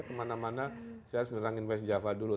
kemana mana saya harus ngerangin west java dulu